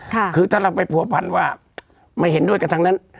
คือถ้าเราไปผัวพันว่าไม่เห็นด้วยกับทางนั้น